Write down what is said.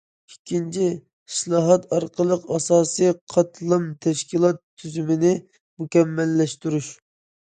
ئىككىنچى، ئىسلاھات ئارقىلىق ئاساسىي قاتلام تەشكىلات تۈزۈمىنى مۇكەممەللەشتۈرۈش.